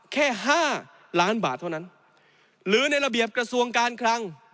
แค่๕ล้านบาทเท่านั้นหรือในระเบียบกระทรวงการคลัง